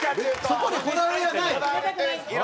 そこにこだわりはない？